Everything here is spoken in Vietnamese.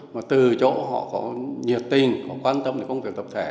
và từ chỗ họ có nhiệt tình có quan tâm đến công việc tập thể